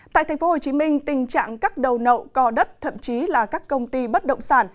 tại tp hcm tình trạng các đầu nậu co đất thậm chí là các công ty bất động sản